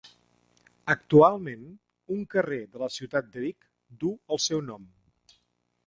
Actualment, un carrer de la ciutat de Vic du el seu nom.